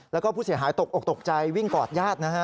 แล้วก็ผู้เสียหายตกออกตกใจวิ่งกอดญาตินะฮะ